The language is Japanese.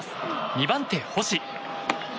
２番手、星。